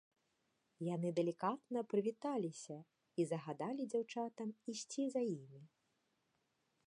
Яны далікатна прывіталіся і загадалі дзяўчатам ісці за імі.